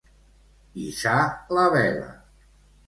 Hissar la vela.